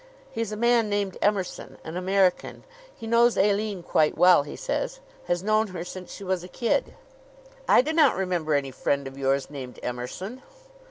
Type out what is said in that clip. He's a man named Emerson, an American. He knows Aline quite well, he says has known her since she was a kid." "I do not remember any friend of yours named Emerson."